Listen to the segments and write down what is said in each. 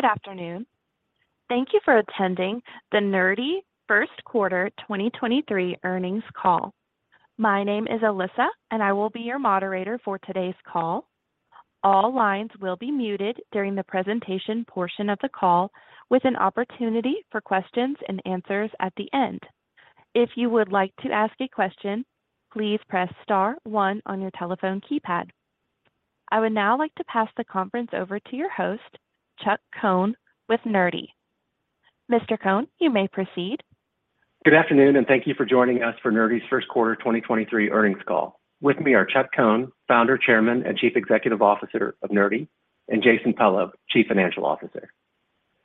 Good afternoon. Thank you for attending the Nerdy First Quarter 2023 Earnings Call. My name is Alyssa, and I will be your moderator for today's call. All lines will be muted during the presentation portion of the call with an opportunity for questions and answers at the end. If you would like to ask a question, please press star one on your telephone keypad. I would now like to pass the conference over to your host, Chuck Cohn, with Nerdy. Mr. Cohn, you may proceed. Good afternoon. Thank you for joining us for Nerdy's First Quarter 2023 Earnings Call. With me are Chuck Cohn, Founder, Chairman, and Chief Executive Officer of Nerdy, and Jason Pello, Chief Financial Officer.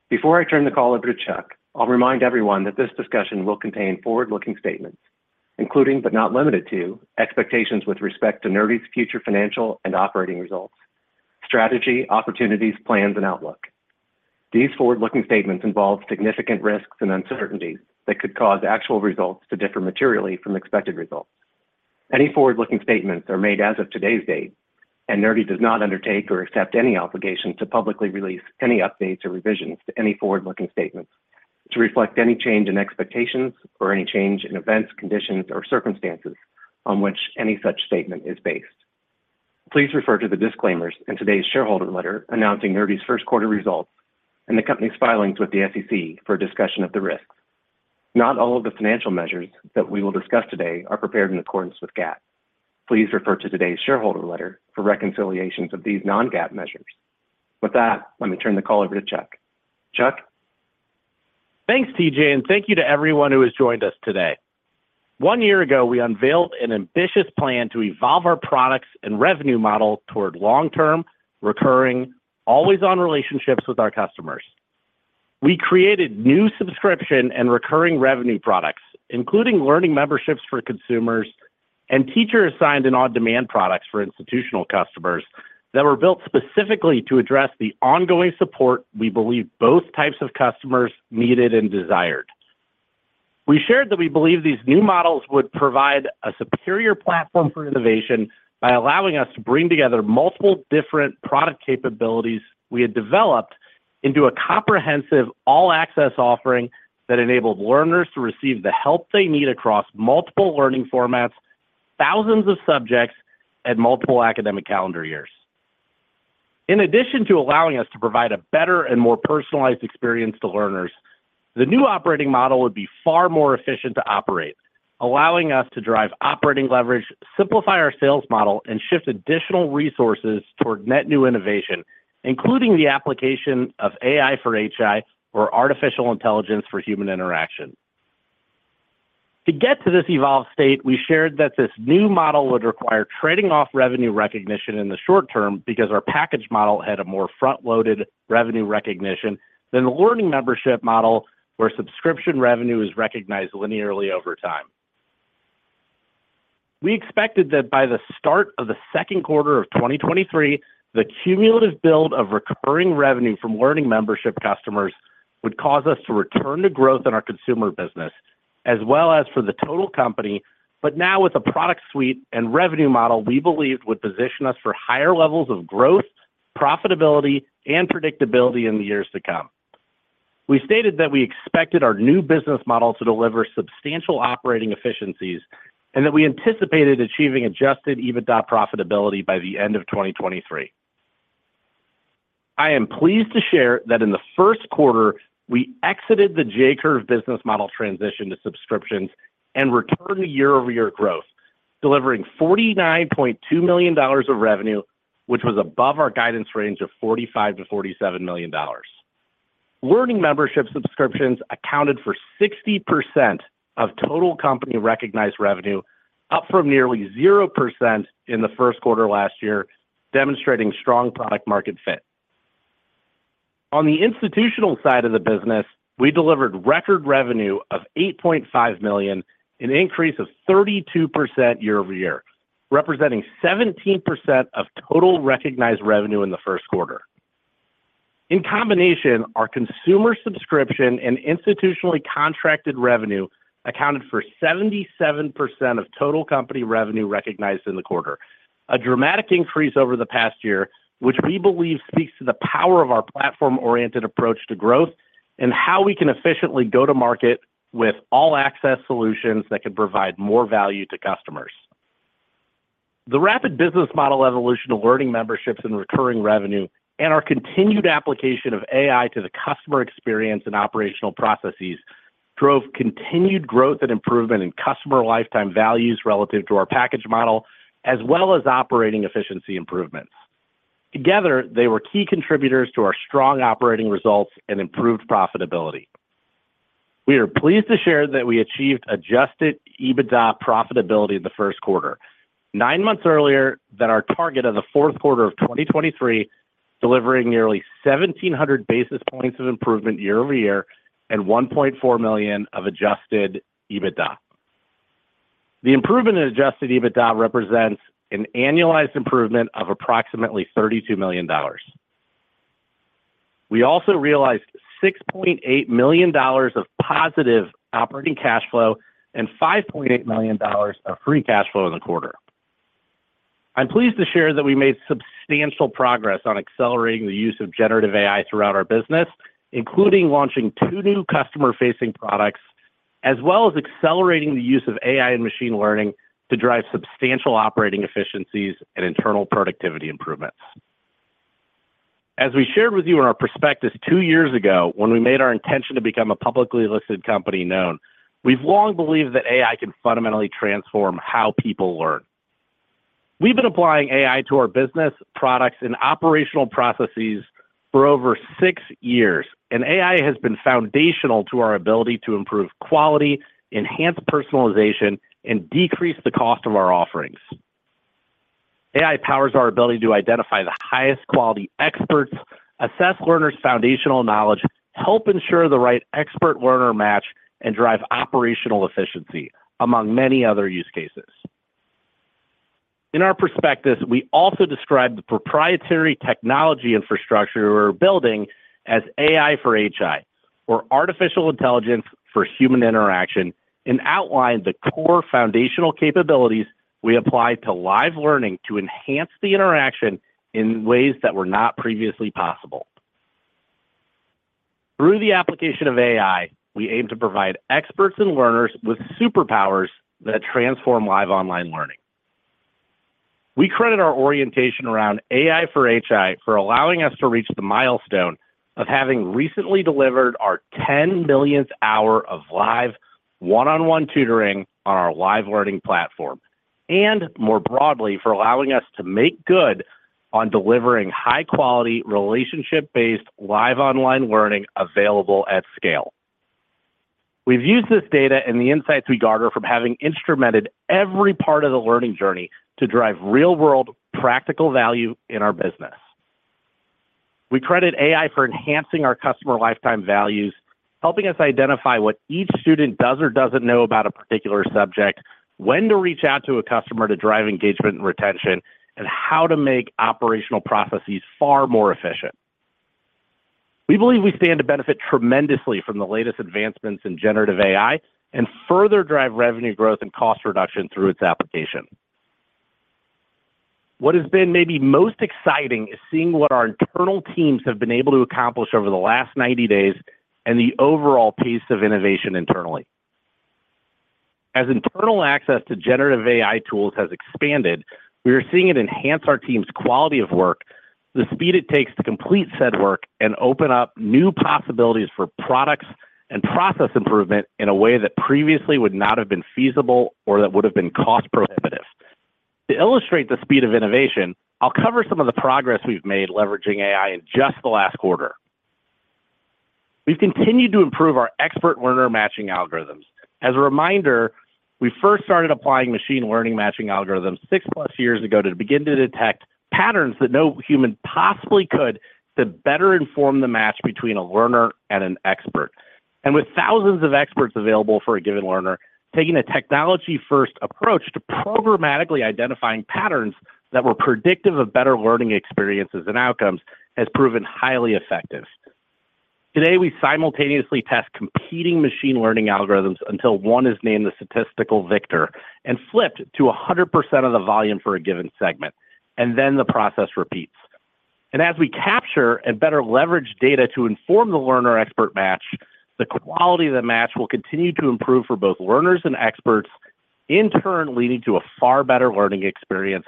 Before I turn the call over to Chuck, I'll remind everyone that this discussion will contain forward-looking statements including, but not limited to, expectations with respect to Nerdy's future financial and operating results, strategy, opportunities, plans, and outlook. These forward-looking statements involve significant risks and uncertainties that could cause actual results to differ materially from expected results. Any forward-looking statements are made as of today's date, and Nerdy does not undertake or accept any obligation to publicly release any updates or revisions to any forward-looking statements to reflect any change in expectations or any change in events, conditions, or circumstances on which any such statement is based. Please refer to the disclaimers in today's shareholder letter announcing Nerdy's first-quarter results and the company's filings with the SEC for a discussion of the risks. Not all of the financial measures that we will discuss today are prepared in accordance with GAAP. Please refer to today's shareholder letter for reconciliations of these non-GAAP measures. With that, let me turn the call over to Chuck. Chuck? Thanks, TJ. Thank you to everyone who has joined us today. One year ago, we unveiled an ambitious plan to evolve our products and revenue model toward long-term, recurring, always-on relationships with our customers. We created new subscription and recurring revenue products, including Learning Memberships for consumers and teacher-assigned and on-demand products for institutional customers that were built specifically to address the ongoing support we believe both types of customers needed and desired. We shared that we believe these new models would provide a superior platform for innovation by allowing us to bring together multiple different product capabilities we had developed into a comprehensive all-access offering that enabled learners to receive the help they need across multiple learning formats, thousands of subjects, and multiple academic calendar years. In addition to allowing us to provide a better and more personalized experience to learners, the new operating model would be far more efficient to operate, allowing us to drive operating leverage, simplify our sales model, and shift additional resources toward net new innovation, including the application of AI for HI, or artificial intelligence for human interaction. To get to this evolved state, we shared that this new model would require trading off revenue recognition in the short term because our package model had a more front-loaded revenue recognition than the learning membership model, where subscription revenue is recognized linearly over time. We expected that by the start of the second quarter of 2023, the cumulative build of recurring revenue from Learning Membership customers would cause us to return to growth in our consumer business, as well as for the total company, but now with a product suite and revenue model we believed would position us for higher levels of growth, profitability, and predictability in the years to come. We stated that we expected our new business model to deliver substantial operating efficiencies and that we anticipated achieving Adjusted EBITDA profitability by the end of 2023. I am pleased to share that in the first quarter, we exited the J-curve business model transition to subscriptions and returned to year-over-year growth, delivering $49.2 million of revenue, which was above our guidance range of $45 million-$47 million. Learning Memberships subscriptions accounted for 60% of total company-recognized revenue, up from nearly 0% in the first quarter last year, demonstrating strong product market fit. On the institutional side of the business, we delivered record revenue of $8.5 million, an increase of 32% year-over-year, representing 17% of total recognized revenue in the first quarter. In combination, our consumer subscription and institutionally contracted revenue accounted for 77% of total company revenue recognized in the quarter, a dramatic increase over the past year, which we believe speaks to the power of our platform-oriented approach to growth and how we can efficiently go to market with all-access solutions that can provide more value to customers. The rapid business model evolution of Learning Memberships and recurring revenue and our continued application of AI to the customer experience and operational processes drove continued growth and improvement in customer lifetime values relative to our package model, as well as operating efficiency improvements. Together, they were key contributors to our strong operating results and improved profitability. We are pleased to share that we achieved Adjusted EBITDA profitability in the first quarter, 9 months earlier than our target of the fourth quarter of 2023, delivering nearly 1,700 basis points of improvement year-over-year and $1.4 million of Adjusted EBITDA. The improvement in Adjusted EBITDA represents an annualized improvement of approximately $32 million. We also realized $6.8 million of positive operating cash flow and $5.8 million of free cash flow in the quarter. I'm pleased to share that we made substantial progress on accelerating the use of generative AI throughout our business, including launching two new customer-facing products, as well as accelerating the use of AI and machine learning to drive substantial operating efficiencies and internal productivity improvements. As we shared with you in our prospectus two years ago when we made our intention to become a publicly listed company known, we've long believed that AI can fundamentally transform how people learn. We've been applying AI to our business, products, and operational processes for over six years, and AI has been foundational to our ability to improve quality, enhance personalization, and decrease the cost of our offerings. AI powers our ability to identify the highest quality experts, assess learners' foundational knowledge, help ensure the right expert-learner match, and drive operational efficiency, among many other use cases. In our prospectus, we also described the proprietary technology infrastructure we're building as AI for HI, or Artificial Intelligence for Human Interaction, and outlined the core foundational capabilities we apply to live learning to enhance the interaction in ways that were not previously possible. Through the application of AI, we aim to provide experts and learners with superpowers that transform live online learning. We credit our orientation around AI for HI for allowing us to reach the milestone of having recently delivered our 10 millionth hour of live one-on-one tutoring on our live learning platform, and more broadly, for allowing us to make good on delivering high-quality, relationship-based, live online learning available at scale. We've used this data and the insights we garner from having instrumented every part of the learning journey to drive real-world practical value in our business. We credit AI for enhancing our customer lifetime values, helping us identify what each student does or doesn't know about a particular subject, when to reach out to a customer to drive engagement and retention, and how to make operational processes far more efficient. We believe we stand to benefit tremendously from the latest advancements in generative AI and further drive revenue growth and cost reduction through its application. What has been maybe most exciting is seeing what our internal teams have been able to accomplish over the last 90 days and the overall pace of innovation internally. As internal access to generative AI tools has expanded, we are seeing it enhance our team's quality of work, the speed it takes to complete said work, and open up new possibilities for products and process improvement in a way that previously would not have been feasible or that would have been cost prohibitive. To illustrate the speed of innovation, I'll cover some of the progress we've made leveraging AI in just the last quarter. We've continued to improve our expert-learner matching algorithms. As a reminder, we first started applying machine learning matching algorithms 6+ years ago to begin to detect patterns that no human possibly could to better inform the match between a learner and an expert. With thousands of experts available for a given learner, taking a technology-first approach to programmatically identifying patterns that were predictive of better learning experiences and outcomes has proven highly effective. Today, we simultaneously test competing machine learning algorithms until one is named the statistical victor and flipped to 100% of the volume for a given segment, then the process repeats. As we capture and better leverage data to inform the learner-expert match, the quality of the match will continue to improve for both learners and experts, in turn leading to a far better learning experience,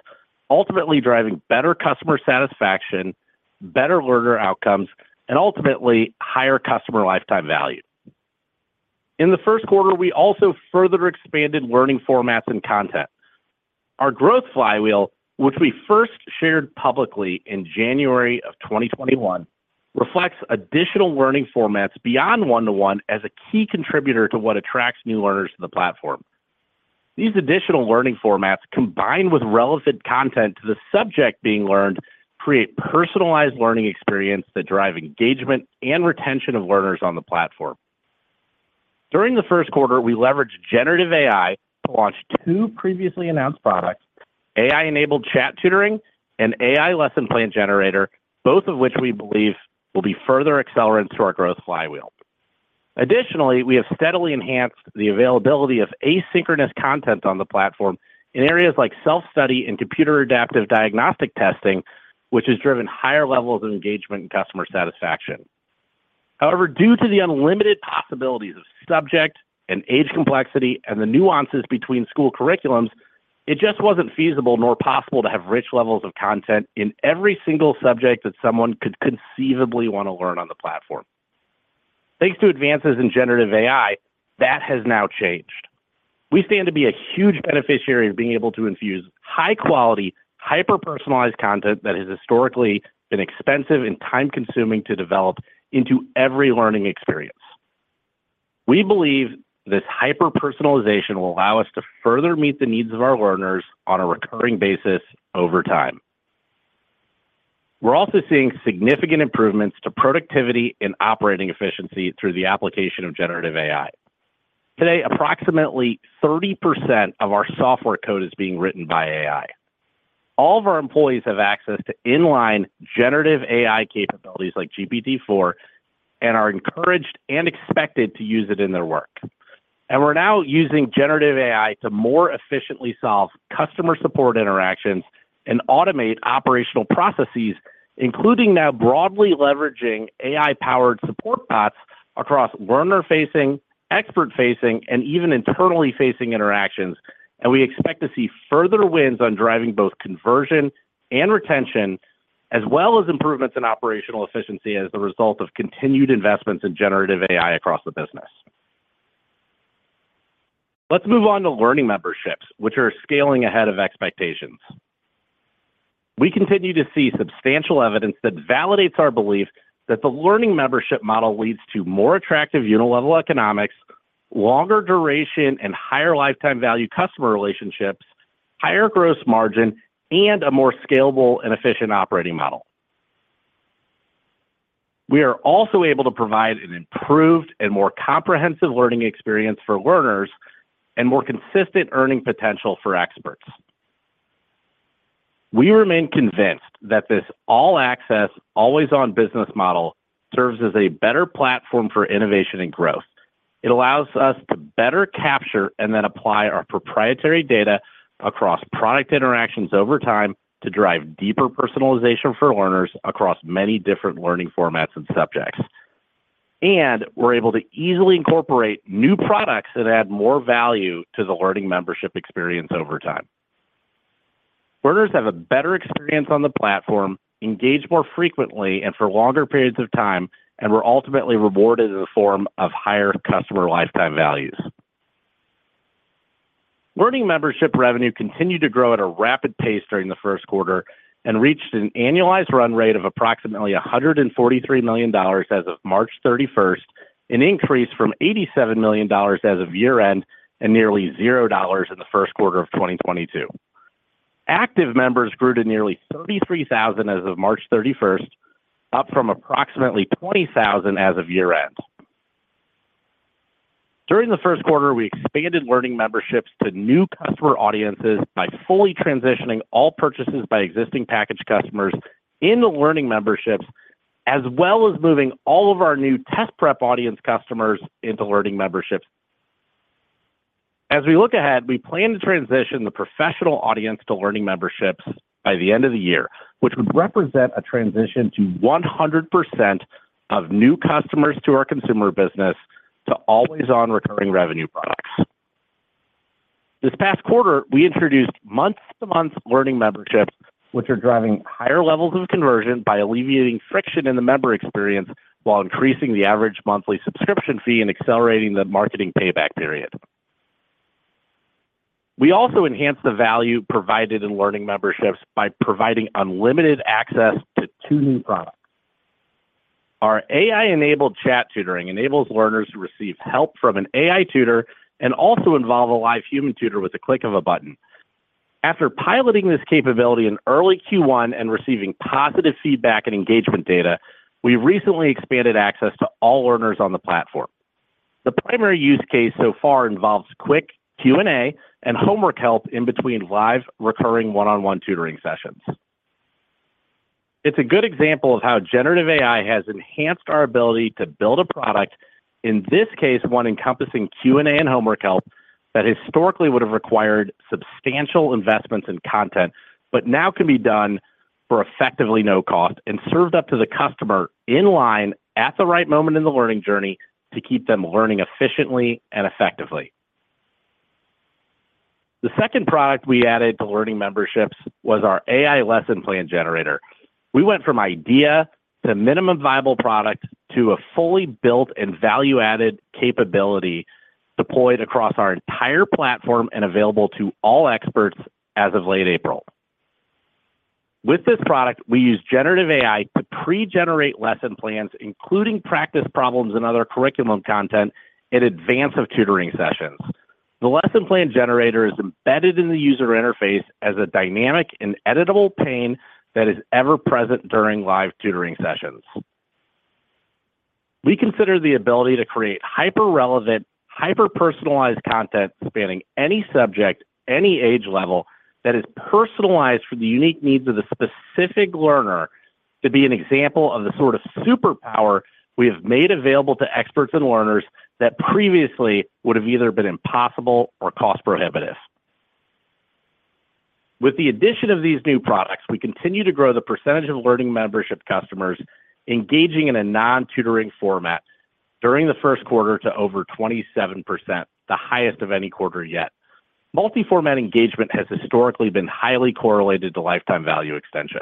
ultimately driving better customer satisfaction, better learner outcomes, and ultimately higher customer lifetime value. In the first quarter, we also further expanded learning formats and content. Our growth flywheel, which we first shared publicly in January of 2021, reflects additional learning formats beyond one-to-one as a key contributor to what attracts new learners to the platform. These additional learning formats, combined with relevant content to the subject being learned, create personalized learning experience that drive engagement and retention of learners on the platform. During the Q1, we leveraged generative AI to launch two previously announced products, AI-Enabled Chat Tutoring and AI-Generated Lesson Plan Creator, both of which we believe will be further accelerants to our growth flywheel. Additionally, we have steadily enhanced the availability of asynchronous content on the platform in areas like self-study and computer-adaptive diagnostic testing, which has driven higher levels of engagement and customer satisfaction. However, due to the unlimited possibilities of subject and age complexity and the nuances between school curriculums, it just wasn't feasible nor possible to have rich levels of content in every single subject that someone could conceivably want to learn on the platform. Thanks to advances in generative AI, that has now changed. We stand to be a huge beneficiary of being able to infuse high-quality, hyper-personalized content that has historically been expensive and time-consuming to develop into every learning experience. We believe this hyper-personalization will allow us to further meet the needs of our learners on a recurring basis over time. We're also seeing significant improvements to productivity and operating efficiency through the application of generative AI. Today, approximately 30% of our software code is being written by AI. All of our employees have access to inline generative AI capabilities like GPT-4 and are encouraged and expected to use it in their work. We're now using generative AI to more efficiently solve customer support interactions and automate operational processes, including now broadly leveraging AI-powered support bots across learner-facing, expert-facing, and even internally facing interactions. We expect to see further wins on driving both conversion and retention, as well as improvements in operational efficiency as a result of continued investments in generative AI across the business. Let's move on to Learning Memberships, which are scaling ahead of expectations. We continue to see substantial evidence that validates our belief that the Learning Membership model leads to more attractive unit-level economics, longer duration, and higher lifetime value customer relationships, higher gross margin, and a more scalable and efficient operating model. We are also able to provide an improved and more comprehensive learning experience for learners and more consistent earning potential for experts. We remain convinced that this all-access, always-on business model serves as a better platform for innovation and growth. It allows us to better capture and then apply our proprietary data across product interactions over time to drive deeper personalization for learners across many different learning formats and subjects. We're able to easily incorporate new products that add more value to the Learning Membership experience over time. Learners have a better experience on the platform, engage more frequently and for longer periods of time, and we're ultimately rewarded in the form of higher customer lifetime values. Learning Membership revenue continued to grow at a rapid pace during the first quarter and reached an annualized run rate of approximately $143 million as of March 31st, an increase from $87 million as of year-end and nearly $0 in the first quarter of 2022. Active members grew to nearly 33,000 as of March 31st, up from approximately 20,000 as of year-end. During the first quarter, we expanded Learning Memberships to new customer audiences by fully transitioning all purchases by existing packaged customers in the Learning Memberships, as well as moving all of our new test prep audience customers into Learning Memberships. We look ahead, we plan to transition the professional audience to Learning Memberships by the end of the year, which would represent a transition to 100% of new customers to our consumer business to always on recurring revenue products. This past quarter, we introduced month-to-month Learning Memberships, which are driving higher levels of conversion by alleviating friction in the member experience while increasing the average monthly subscription fee and accelerating the marketing payback period. We also enhanced the value provided in Learning Memberships by providing unlimited access to two new products. Our AI-Enabled Chat Tutoring enables learners to receive help from an AI tutor and also involve a live human tutor with a click of a button. After piloting this capability in early Q1 and receiving positive feedback and engagement data, we recently expanded access to all learners on the platform. The primary use case so far involves quick Q&A and homework help in between live recurring one-on-one tutoring sessions. It's a good example of how generative AI has enhanced our ability to build a product, in this case, one encompassing Q&A and homework help, that historically would have required substantial investments in content, but now can be done for effectively no cost and served up to the customer in line at the right moment in the learning journey to keep them learning efficiently and effectively. The second product we added to Learning Memberships was our AI-Generated Lesson Plan Creator. We went from idea to minimum viable product to a fully built and value-added capability deployed across our entire platform and available to all experts as of late April. With this product, we use generative AI to pre-generate lesson plans, including practice problems and other curriculum content in advance of tutoring sessions. The Lesson Plan Generator is embedded in the user interface as a dynamic and editable pane that is ever present during live tutoring sessions. We consider the ability to create hyper-relevant, hyper-personalized content spanning any subject, any age level that is personalized for the unique needs of the specific learner to be an example of the sort of superpower we have made available to experts and learners that previously would have either been impossible or cost prohibitive. With the addition of these new products, we continue to grow the percentage of Learning Membership customers engaging in a non-tutoring format during the first quarter to over 27%, the highest of any quarter yet. Multi-format engagement has historically been highly correlated to lifetime value extension.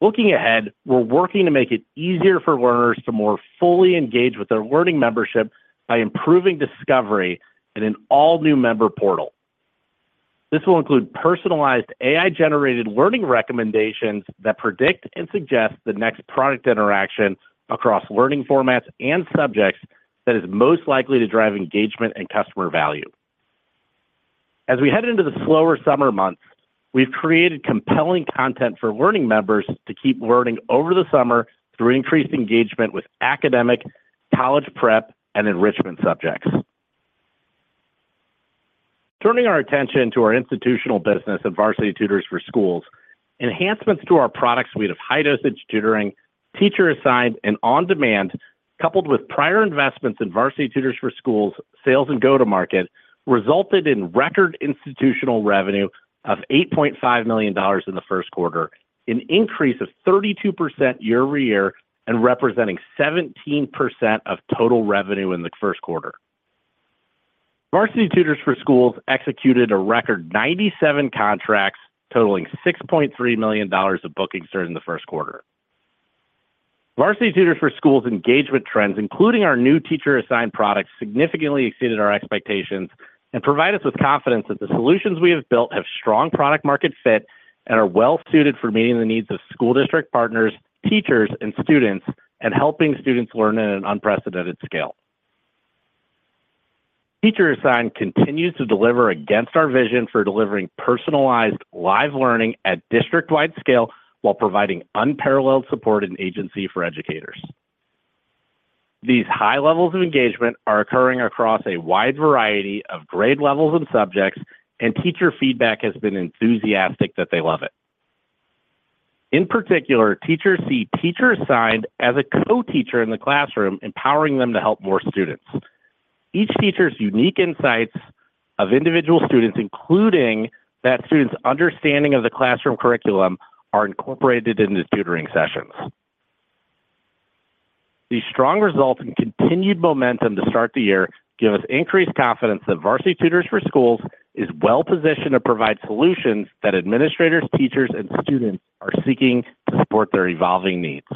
Looking ahead, we're working to make it easier for learners to more fully engage with their Learning Membership by improving discovery in an all-new member portal. This will include personalized AI-generated learning recommendations that predict and suggest the next product interaction across learning formats and subjects that is most likely to drive engagement and customer value. As we head into the slower summer months, we've created compelling content for Learning Members to keep learning over the summer through increased engagement with academic, college prep, and enrichment subjects. Turning our attention to our institutional business at Varsity Tutors for Schools, enhancements to our product suite of high-dosage tutoring, teacher-assigned, and on-demand, coupled with prior investments in Varsity Tutors for Schools sales and go-to-market, resulted in record institutional revenue of $8.5 million in the first quarter, an increase of 32% year-over-year and representing 17% of total revenue in the first quarter. Varsity Tutors for Schools executed a record 97 contracts totaling $6.3 million of bookings during the first quarter. Varsity Tutors for Schools engagement trends, including our new teacher-assigned products, significantly exceeded our expectations and provide us with confidence that the solutions we have built have strong product-market fit and are well-suited for meeting the needs of school district partners, teachers and students, and helping students learn at an unprecedented scale. Teacher-Assigned continues to deliver against our vision for delivering personalized live learning at district-wide scale while providing unparalleled support and agency for educators. These high levels of engagement are occurring across a wide variety of grade levels and subjects, and teacher feedback has been enthusiastic that they love it. In particular, teachers see teacher-assigned as a co-teacher in the classroom, empowering them to help more students. Each teacher's unique insights of individual students, including that student's understanding of the classroom curriculum, are incorporated into tutoring sessions. These strong results and continued momentum to start the year give us increased confidence that Varsity Tutors for Schools is well-positioned to provide solutions that administrators, teachers, and students are seeking to support their evolving needs.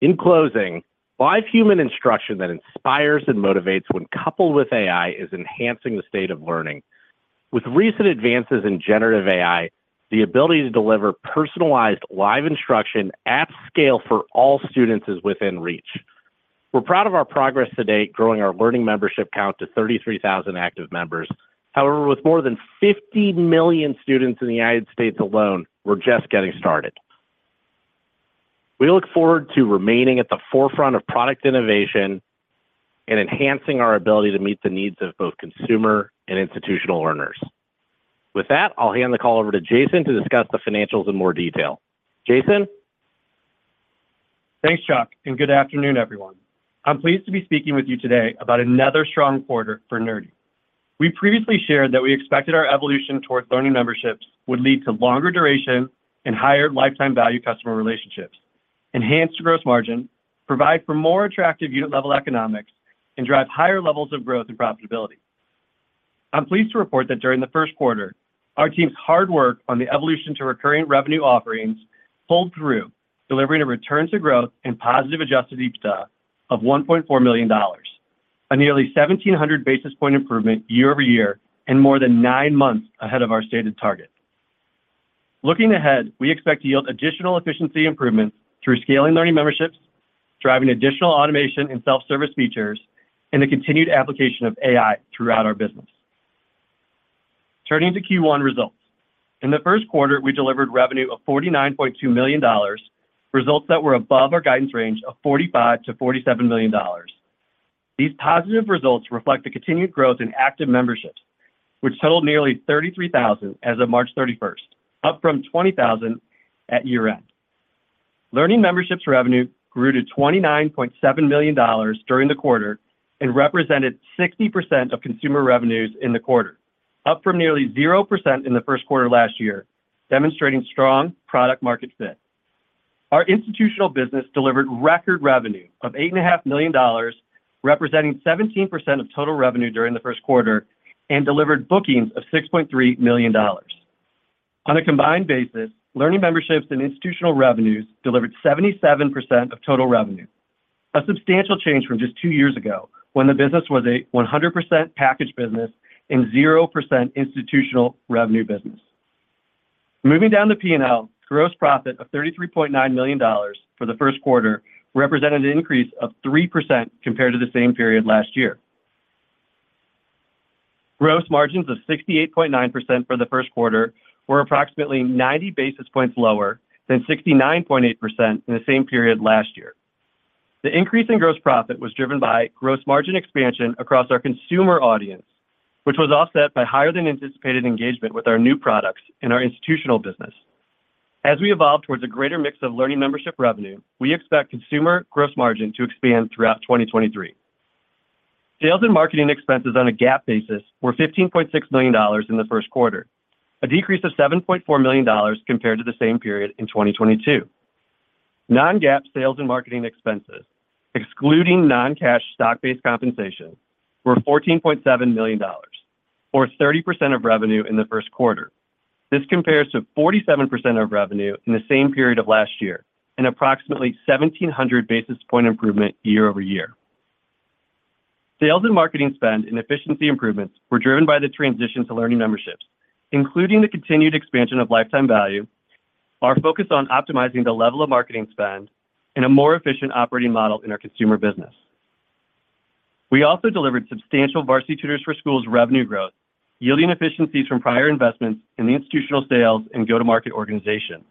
In closing, live human instruction that inspires and motivates when coupled with AI is enhancing the state of learning. With recent advances in generative AI, the ability to deliver personalized live instruction at scale for all students is within reach. We're proud of our progress to date, growing our Learning Memberships count to 33,000 active members. With more than 50 million students in the United States alone, we're just getting started. We look forward to remaining at the forefront of product innovation and enhancing our ability to meet the needs of both consumer and institutional learners. With that, I'll hand the call over to Jason to discuss the financials in more detail. Jason? Thanks, Chuck, and good afternoon, everyone. I'm pleased to be speaking with you today about another strong quarter for Nerdy. We previously shared that we expected our evolution towards Learning Memberships would lead to longer duration and higher lifetime value customer relationships, enhanced gross margin, provide for more attractive unit-level economics, and drive higher levels of growth and profitability. I'm pleased to report that during the first quarter, our team's hard work on the evolution to recurring revenue offerings pulled through, delivering a return to growth and positive Adjusted EBITDA of $1.4 million, a nearly 1,700 basis point improvement year-over-year and more than nine months ahead of our stated target. Looking ahead, we expect to yield additional efficiency improvements through scaling Learning Memberships, driving additional automation and self-service features, and the continued application of AI throughout our business. Turning to Q1 results. In the first quarter, we delivered revenue of $49.2 million, results that were above our guidance range of $45 million-$47 million. These positive results reflect the continued growth in active memberships, which totaled nearly 33,000 as of March 31st, up from 20,000 at year-end. Learning Memberships revenue grew to $29.7 million during the quarter and represented 60% of consumer revenues in the quarter, up from nearly 0% in the first quarter last year, demonstrating strong product-market fit. Our institutional business delivered record revenue of $8.5 million, representing 17% of total revenue during the first quarter, and delivered bookings of $6.3 million. On a combined basis, Learning Memberships and institutional revenues delivered 77% of total revenue, a substantial change from just two years ago when the business was a 100% packaged business and 0% institutional revenue business. Moving down to P&L, gross profit of $33.9 million for the first quarter represented an increase of 3% compared to the same period last year. Gross margins of 68.9% for the first quarter were approximately 90 basis points lower than 69.8% in the same period last year. The increase in gross profit was driven by gross margin expansion across our consumer audience, which was offset by higher-than-anticipated engagement with our new products in our institutional business. As we evolve towards a greater mix of Learning Membership revenue, we expect consumer gross margin to expand throughout 2023. Sales and marketing expenses on a GAAP basis were $15.6 million in the first quarter, a decrease of $7.4 million compared to the same period in 2022. non-GAAP sales and marketing expenses, excluding non-cash stock-based compensation, were $14.7 million or 30% of revenue in the first quarter. This compares to 47% of revenue in the same period of last year and approximately 1,700 basis point improvement year-over-year. Sales and marketing spend and efficiency improvements were driven by the transition to Learning Memberships, including the continued expansion of lifetime value, our focus on optimizing the level of marketing spend, and a more efficient operating model in our consumer business. We also delivered substantial Varsity Tutors for Schools revenue growth, yielding efficiencies from prior investments in the institutional sales and go-to-market organization.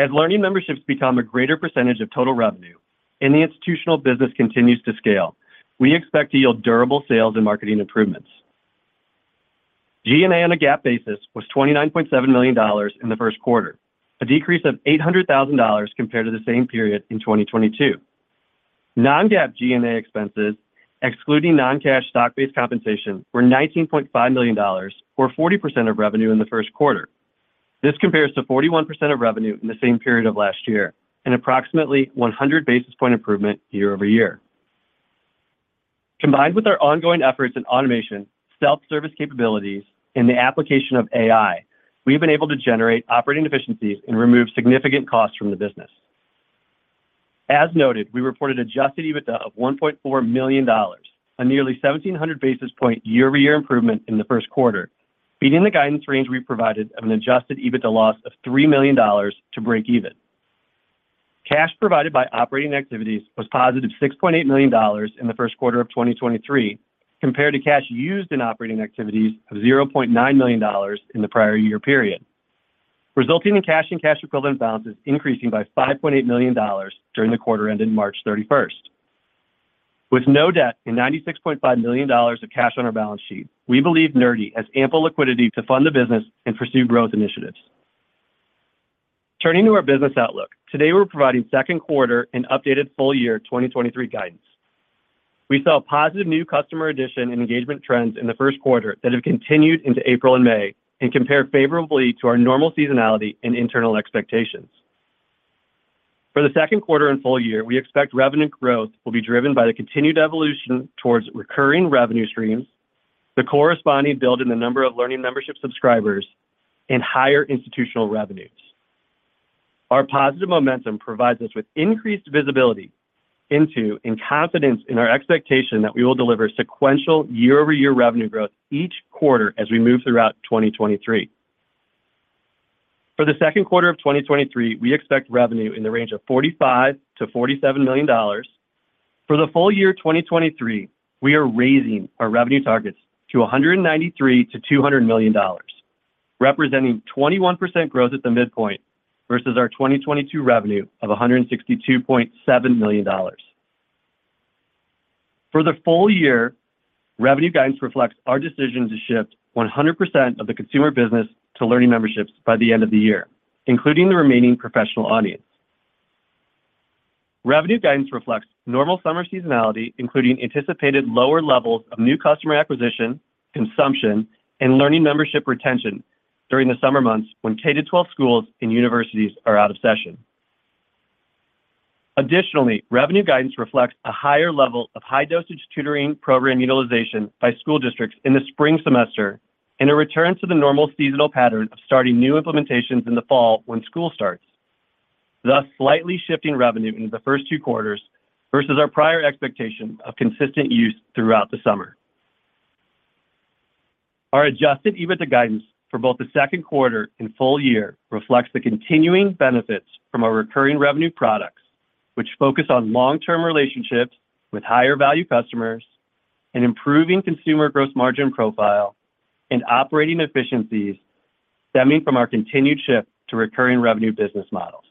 As Learning Memberships become a greater percentage of total revenue and the institutional business continues to scale, we expect to yield durable sales and marketing improvements. G&A on a GAAP basis was $29.7 million in the first quarter, a decrease of $800,000 compared to the same period in 2022. Non-GAAP G&A expenses, excluding non-cash stock-based compensation, were $19.5 million, or 40% of revenue in the first quarter. This compares to 41% of revenue in the same period of last year and approximately 100 basis point improvement year-over-year. Combined with our ongoing efforts in automation, self-service capabilities, and the application of AI, we have been able to generate operating efficiencies and remove significant costs from the business. As noted, we reported Adjusted EBITDA of $1.4 million, a nearly 1,700 basis point year-over-year improvement in the first quarter, beating the guidance range we provided of an Adjusted EBITDA loss of $3 million to break even. Cash provided by operating activities was positive $6.8 million in the first quarter of 2023, compared to cash used in operating activities of $0.9 million in the prior year period, resulting in cash and cash equivalent balances increasing by $5.8 million during the quarter ended March 31st. With no debt and $96.5 million of cash on our balance sheet, we believe Nerdy has ample liquidity to fund the business and pursue growth initiatives. Turning to our business outlook, today we're providing second quarter and updated full year 2023 guidance. We saw positive new customer addition and engagement trends in the first quarter that have continued into April and May and compare favorably to our normal seasonality and internal expectations. For the second quarter and full year, we expect revenue growth will be driven by the continued evolution towards recurring revenue streams, the corresponding build in the number of Learning Memberships subscribers, and higher institutional revenues. Our positive momentum provides us with increased visibility into and confidence in our expectation that we will deliver sequential year-over-year revenue growth each quarter as we move throughout 2023. For the second quarter of 2023, we expect revenue in the range of $45 million-$47 million. For the full year 2023, we are raising our revenue targets to $193 million-$200 million, representing 21% growth at the midpoint versus our 2022 revenue of $162.7 million. For the full year, revenue guidance reflects our decision to shift 100% of the consumer business to Learning Memberships by the end of the year, including the remaining professional audience. Revenue guidance reflects normal summer seasonality, including anticipated lower levels of new customer acquisition, consumption, and Learning Membership retention during the summer months when K-12 schools and universities are out of session. Additionally, revenue guidance reflects a higher level of high-dosage tutoring program utilization by school districts in the spring semester and a return to the normal seasonal pattern of starting new implementations in the fall when school starts, thus slightly shifting revenue into the first two quarters versus our prior expectation of consistent use throughout the summer. Our Adjusted EBITDA guidance for both the second quarter and full year reflects the continuing benefits from our recurring revenue products, which focus on long-term relationships with higher-value customers and improving consumer gross margin profile and operating efficiencies stemming from our continued shift to recurring revenue business models.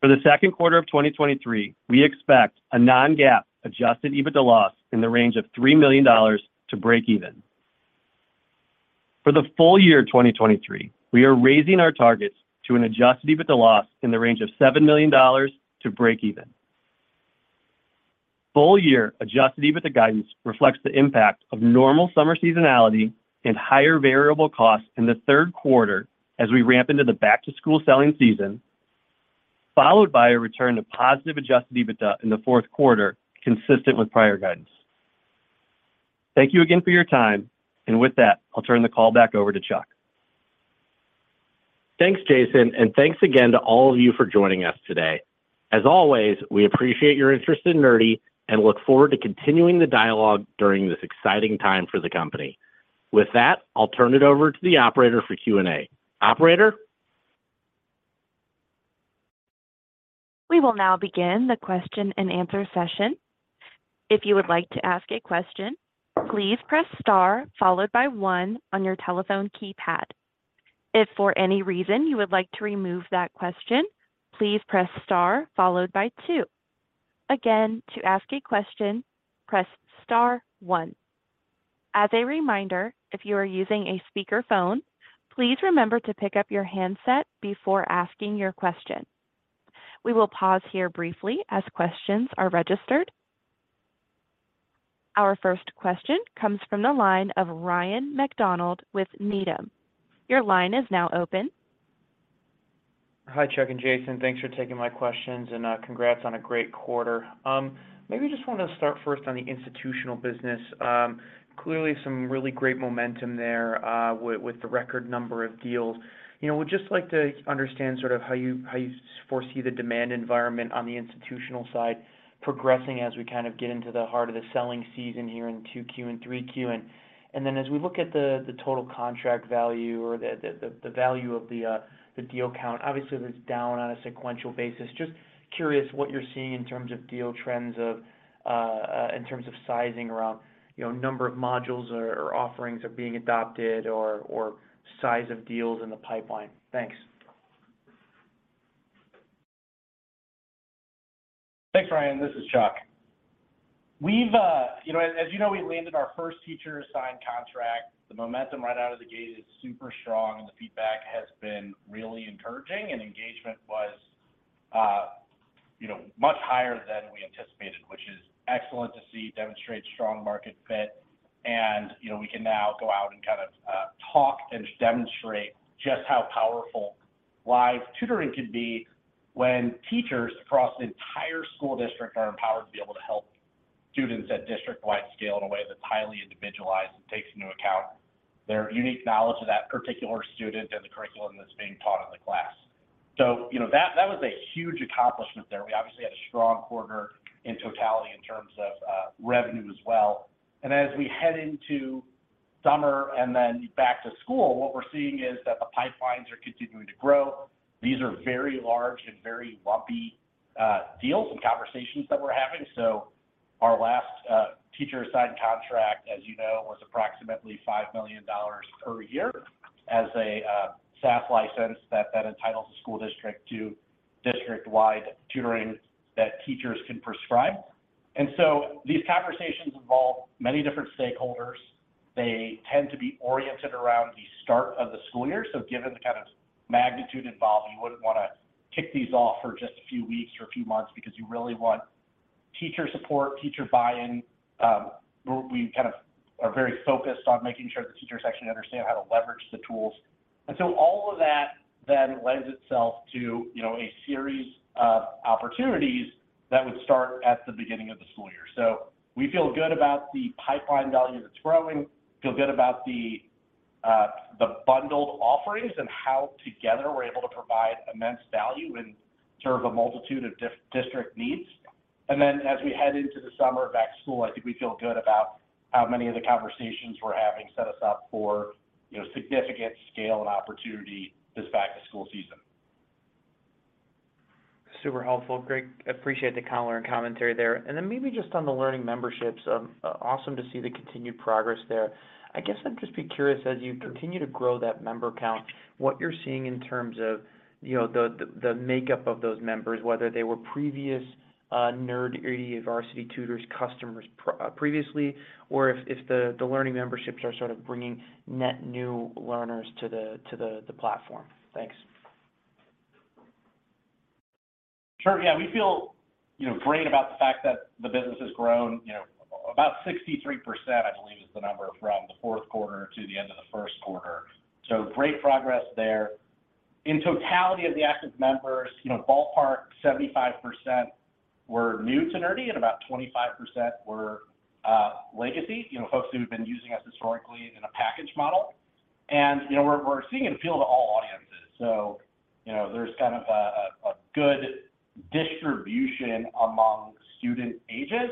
For the second quarter of 2023, we expect a non-GAAP Adjusted EBITDA loss in the range of $3 million to break even. For the full year 2023, we are raising our targets to an Adjusted EBITDA loss in the range of $7 million to break even. Full year Adjusted EBITDA guidance reflects the impact of normal summer seasonality and higher variable costs in the third quarter as we ramp into the back-to-school selling season, followed by a return to positive Adjusted EBITDA in the fourth quarter, consistent with prior guidance. Thank you again for your time, and with that, I'll turn the call back over to Chuck. Thanks, Jason, and thanks again to all of you for joining us today. As always, we appreciate your interest in Nerdy and look forward to continuing the dialogue during this exciting time for the company. With that, I'll turn it over to the operator for Q&A. Operator? We will now begin the question-and-answer session. If you would like to ask a question, please press star followed by one on your telephone keypad. If for any reason you would like to remove that question, please press star followed by two. Again, to ask a question, press star one. As a reminder, if you are using a speakerphone, please remember to pick up your handset before asking your question. We will pause here briefly as questions are registered. Our first question comes from the line of Ryan MacDonald with Needham. Your line is now open. Hi, Chuck and Jason. Thanks for taking my questions, and congrats on a great quarter. Maybe just want to start first on the institutional business. Clearly some really great momentum there, with the record number of deals. You know, would just like to understand sort of how you foresee the demand environment on the institutional side progressing as we kind of get into the heart of the selling season here in 2Q and 3Q. Then as we look at the total contract value or the value of the deal count, obviously that's down on a sequential basis. Just curious what you're seeing in terms of deal trends in terms of sizing around, you know, number of modules or offerings are being adopted or size of deals in the pipeline. Thanks. Thanks, Ryan. This is Chuck. We've, you know, as you know, we landed our first teacher-assigned contract. The momentum right out of the gate is super strong, and the feedback has been really encouraging, and engagement was, you know, much higher than we anticipated, which is excellent to see, demonstrates strong market fit. You know, we can now go out and kind of talk and demonstrate just how powerful live tutoring can be when teachers across the entire school district are empowered to be able to help students at district-wide scale in a way that's highly individualized and takes into account their unique knowledge of that particular student and the curriculum that's being taught in the class. You know, that was a huge accomplishment there. We obviously had a strong quarter in totality in terms of revenue as well. As we head into summer and then back to school, what we're seeing is that the pipelines are continuing to grow. These are very large and very lumpy deals and conversations that we're having. Our last teacher-assigned contract, as you know, was approximately $5 million per year as a SaaS license that entitles the school district to district-wide tutoring that teachers can prescribe. These conversations involve many different stakeholders. They tend to be oriented around the start of the school year. Given the kind of magnitude involved, you wouldn't wanna kick these off for just a few weeks or a few months because you really want teacher support, teacher buy-in. We kind of are very focused on making sure the teachers actually understand how to leverage the tools. All of that then lends itself to, you know, a series of opportunities that would start at the beginning of the school year. We feel good about the pipeline value that's growing, feel good about the bundled offerings and how together we're able to provide immense value and serve a multitude of district needs. Then as we head into the summer back to school, I think we feel good about how many of the conversations we're having set us up for, you know, significant scale and opportunity this back to school season. Super helpful. Great. Appreciate the color and commentary there. Then maybe just on the Learning Memberships, awesome to see the continued progress there. I guess I'd just be curious, as you continue to grow that member count, what you're seeing in terms of, you know, the makeup of those members, whether they were previous Nerdy or Varsity Tutors customers previously, or if the Learning Memberships are sort of bringing net new learners to the platform. Thanks. Sure. Yeah. We feel, you know, great about the fact that the business has grown, you know, about 63%, I believe is the number from the fourth quarter to the end of the first quarter. Great progress there. In totality of the active members, you know, ballpark 75% were new to Nerdy, and about 25% were legacy, you know, folks who've been using us historically in a package model. You know, we're seeing an appeal to all audiences. You know, there's kind of a good distribution among student ages,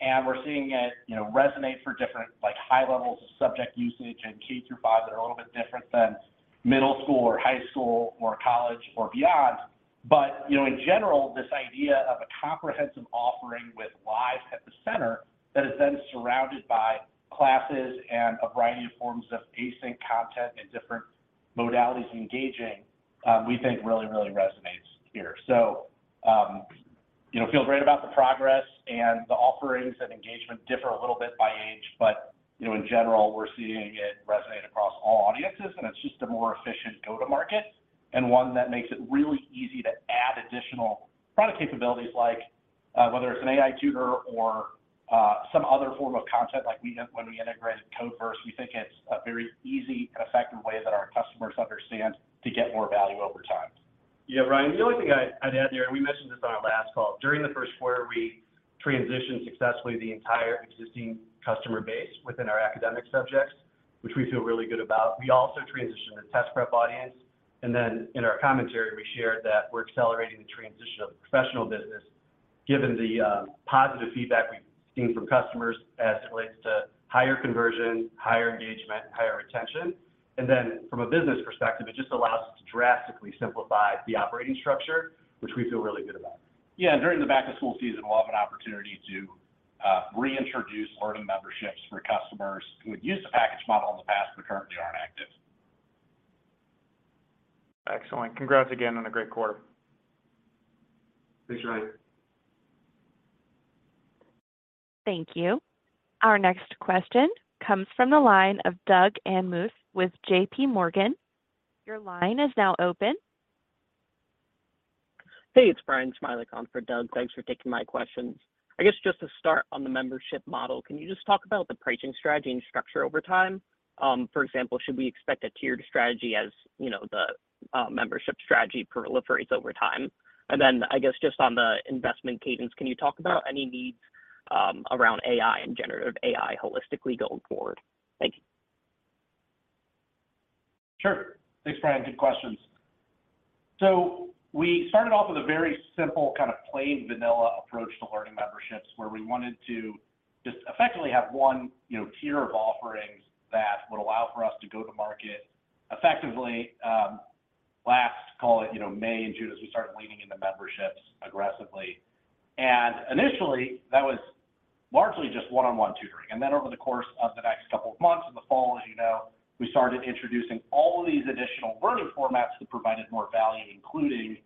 and we're seeing it, you know, resonate for different, like high levels of subject usage in K-5 that are a little bit different than middle school or high school or college or beyond. You know, in general, this idea of a comprehensive offering with live at the center that is then surrounded by classes and a variety of forms of async content and different modalities of engaging, we think really, really resonates here. You know, feel great about the progress, and the offerings and engagement differ a little bit by age, but, you know, in general, we're seeing it resonate across all audiences, and it's just a more efficient go-to-market and one that makes it really easy to add additional product capabilities like whether it's an AI tutor or some other form of content like we have when we integrated Codeverse, we think it's a very easy and effective way that our customers understand to get more value over time. Yeah, Ryan, the only thing I'd add there. We mentioned this on our last call. During the first quarter, we transitioned successfully the entire existing customer base within our academic subjects, which we feel really good about. We also transitioned the test prep audience. In our commentary, we shared that we're accelerating the transition of the professional business given the positive feedback we've seen from customers as it relates to higher conversion, higher engagement, and higher retention. From a business perspective, it just allows us to drastically simplify the operating structure, which we feel really good about. Yeah. During the back to school season, we'll have an opportunity to reintroduce Learning Memberships for customers who had used the package model in the past but currently aren't active. Excellent. Congrats again on a great quarter. Thanks, Ryan. Thank you. Our next question comes from the line of Doug Anmuth with J.P. Morgan. Your line is now open. Hey, it's Bryan on for Doug, thanks for taking my questions. I guess just to start on the membership model, can you just talk about the pricing strategy and structure over time? For example, should we expect a tiered strategy as, you know, the membership strategy proliferates over time? I guess just on the investment cadence, can you talk about any needs around AI and generative AI holistically going forward? Thank you. Sure. Thanks, Brian. Good questions. We started off with a very simple kind of plain vanilla approach to Learning Memberships, where we wanted to just effectively have one, you know, tier of offerings that would allow for us to go to market effectively, last call it, you know, May and June, as we start leaning into memberships aggressively. Initially, that was largely just one-on-one tutoring. Over the course of the next couple of months in the fall, as you know, we started introducing all of these additional learning formats that provided more value, including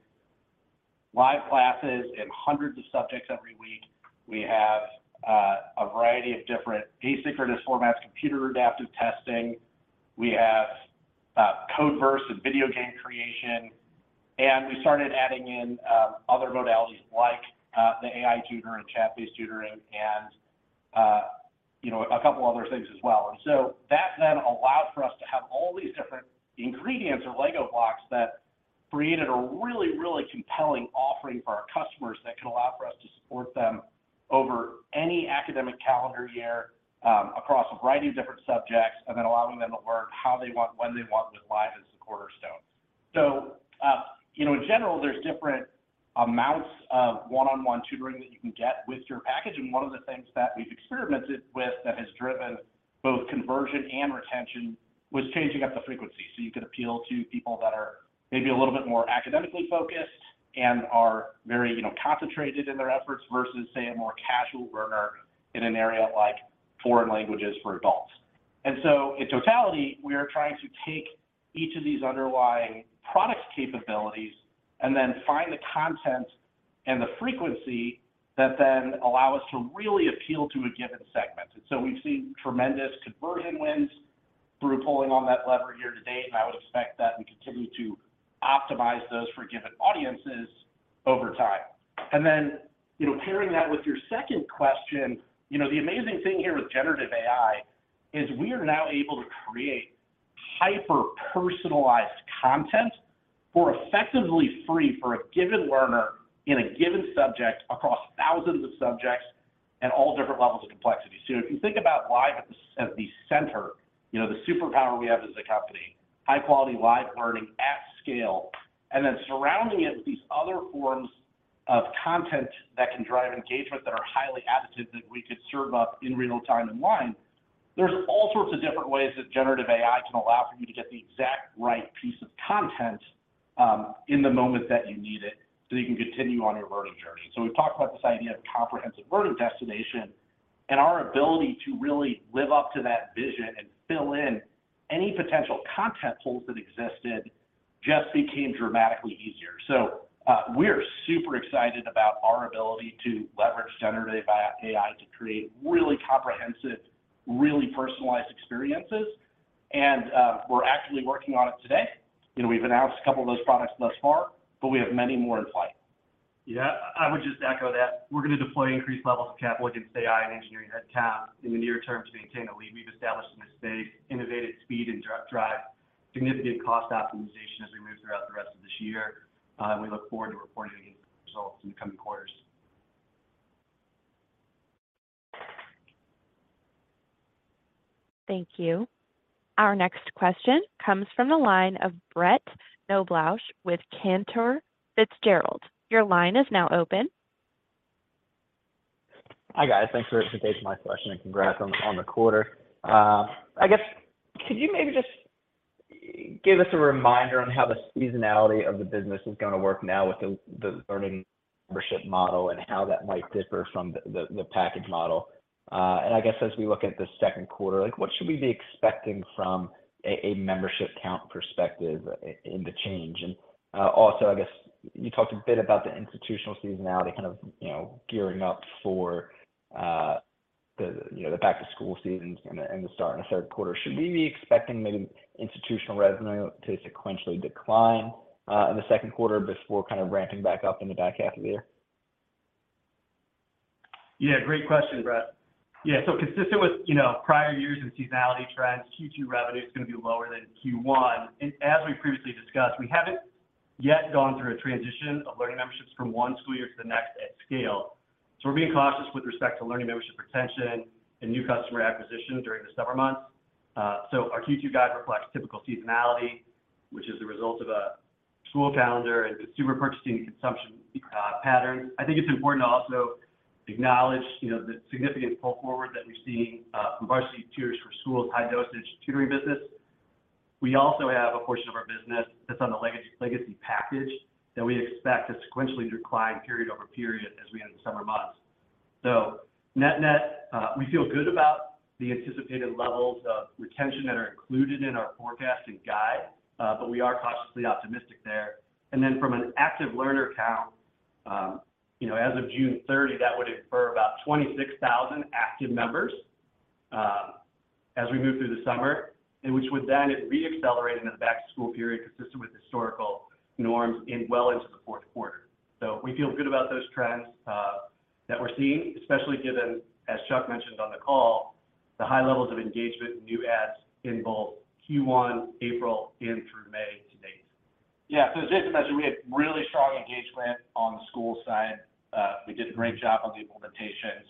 live classes in hundreds of subjects every week. We have a variety of different asynchronous formats, computer adaptive testing. We have Codeverse and video game creation, we started adding in other modalities like the AI tutoring, chat-based tutoring, and, you know, a couple other things as well. That then allowed for us to have all these different ingredients or Lego blocks that created a really, really compelling offering for our customers that can allow for us to support them over any academic calendar year, across a variety of different subjects, and then allowing them to learn how they want, when they want with Live as the cornerstone. You know, in general, there's different amounts of one-on-one tutoring that you can get with your package. One of the things that we've experimented with that has driven both conversion and retention was changing up the frequency. You could appeal to people that are maybe a little bit more academically focused and are very, you know, concentrated in their efforts versus, say, a more casual learner in an area like foreign languages for adults. In totality, we are trying to take each of these underlying product capabilities and then find the content and the frequency that then allow us to really appeal to a given segment. We've seen tremendous conversion wins through pulling on that lever year to date, and I would expect that we continue to optimize those for given audiences over time. You know, pairing that with your second question, you know, the amazing thing here with generative AI is we are now able to create hyper-personalized content for effectively free for a given learner in a given subject across thousands of subjects and all different levels of complexity. If you think about Live at the center, you know, the superpower we have as a company, high-quality live learning at scale, and then surrounding it with these other forms of content that can drive engagement that are highly additive that we could serve up in real time and line. There's all sorts of different ways that generative AI can allow for you to get the exact right piece of content, in the moment that you need it so you can continue on your learning journey. We've talked about this idea of comprehensive learning destination, and our ability to really live up to that vision and fill in any potential content holes that existed just became dramatically easier. We're super excited about our ability to leverage generative AI to create really comprehensive, really personalized experiences. We're actively working on it today. You know, we've announced a couple of those products thus far, but we have many more in flight. I would just echo that. We're gonna deploy increased levels of capital against AI and engineering headcount in the near term to maintain a lead we've established in this space, innovative speed, and drive significant cost optimization as we move throughout the rest of this year. We look forward to reporting these results in the coming quarters. Thank you. Our next question comes from the line of Brett Knoblauch with Cantor Fitzgerald. Your line is now open. Hi, guys. Thanks for taking my question, and congrats on the quarter. I guess could you maybe just give us a reminder on how the seasonality of the business is gonna work now with the Learning Membership model and how that might differ from the package model? I guess as we look at the second quarter, like what should we be expecting from a membership count perspective in the change? Also, I guess you talked a bit about the institutional seasonality kind of gearing up for the back-to-school season and the start in the third quarter. Should we be expecting maybe institutional revenue to sequentially decline in the second quarter before kind of ramping back up in the back half of the year? Yeah, great question, Brett. Yeah. Consistent with, you know, prior years and seasonality trends, Q2 revenue is gonna be lower than Q1. As we previously discussed, we haven't yet gone through a transition of Learning Memberships from one school year to the next at scale. We're being cautious with respect to Learning Membership retention and new customer acquisition during the summer months. Our Q2 guide reflects typical seasonality, which is the result of a school calendar and consumer purchasing and consumption patterns. I think it's important to also acknowledge, you know, the significant pull forward that we're seeing from Varsity Tutors for Schools' high-dosage tutoring business. We also have a portion of our business that's on the legacy package that we expect to sequentially decline period over period as we enter the summer months. Net-net, we feel good about the anticipated levels of retention that are included in our forecast and guide, but we are cautiously optimistic there. From an active learner count, you know, as of June 30, that would infer about 26,000 active members, as we move through the summer, which would then reaccelerate into the back-to-school period consistent with historical norms well into the fourth quarter. We feel good about those trends that we're seeing, especially given, as Chuck mentioned on the call, the high levels of engagement and new adds in both Q1, April, and through May to date. Yeah. As Jason mentioned, we had really strong engagement on the school side. We did a great job on the implementations.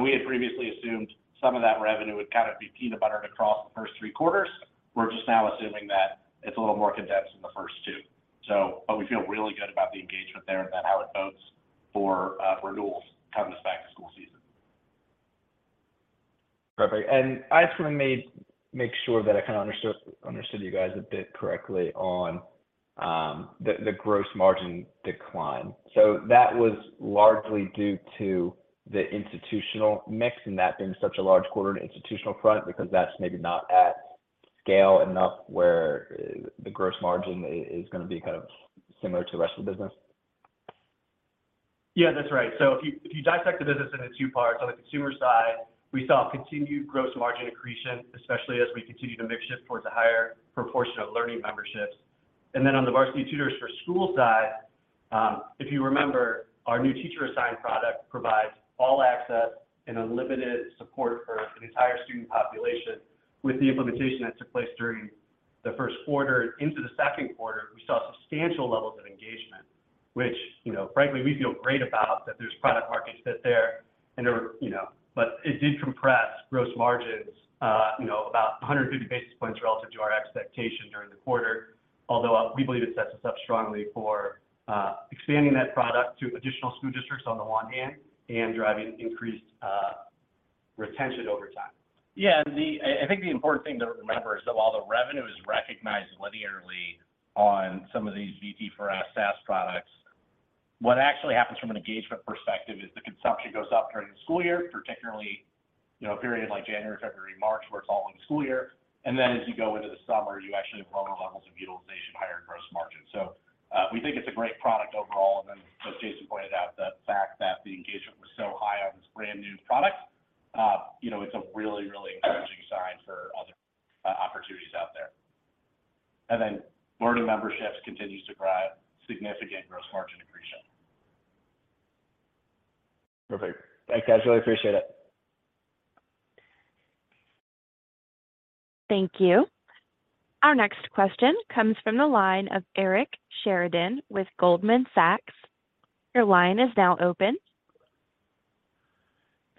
We had previously assumed some of that revenue would kind of be peanut buttered across the first three quarters. We're just now assuming that it's a little more condensed in the first two. We feel really good about the engagement there and then how it bodes for renewals coming this back-to-school season. Perfect. I just wanna make sure that I kinda understood you guys a bit correctly on the gross margin decline. That was largely due to the institutional mix, and that being such a large quarter in the institutional front because that's maybe not at scale enough where the gross margin is gonna be kind of similar to the rest of the business? Yeah, that's right. If you dissect the business into two parts, on the consumer side, we saw continued gross margin accretion, especially as we continue to make shift towards a higher proportion of Learning Memberships. On the Varsity Tutors for Schools side, if you remember, our new teacher-assigned product provides all access and unlimited support for an entire student population. With the implementation that took place during the Q1 into the Q2, we saw substantial levels of engagement, which, you know, frankly, we feel great about that there's product market fit there and there were, you know. It did compress gross margins, you know, about 150 basis points relative to our expectation during the quarter. We believe it sets us up strongly for expanding that product to additional school districts on the one hand, and driving increased retention over time. I think the important thing to remember is that while the revenue is recognized linearly on some of these VT for Schools products, what actually happens from an engagement perspective is the consumption goes up during the school year, particularly, you know, a period like January, February, March, where it's all in the school year. As you go into the summer, you actually have lower levels of utilization, higher gross margin. We think it's a great product overall. As Jason pointed out, the fact that the engagement was so high on this brand new product, you know, it's a really encouraging sign for other opportunities out there. Learning Memberships continues to drive significant gross margin accretion. Perfect. Thanks, guys. Really appreciate it. Thank you. Our next question comes from the line of Eric Sheridan with Goldman Sachs. Your line is now open.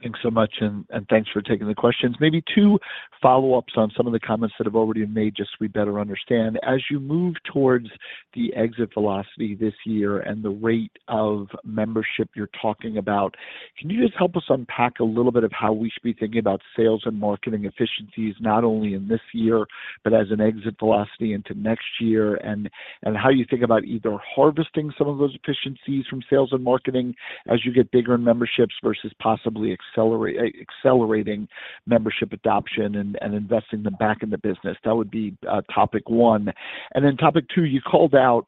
Thanks so much, thanks for taking the questions. Maybe two follow-ups on some of the comments that have already been made, just so we better understand. As you move towards the exit velocity this year and the rate of membership you're talking about, can you just help us unpack a little of how we should be thinking about sales and marketing efficiencies, not only in this year, but as an exit velocity into next year, and how you think about either harvesting some of those efficiencies from sales and marketing as you get bigger in memberships versus possibly accelerating membership adoption and investing them back in the business? That would be topic one. Topic two, you called out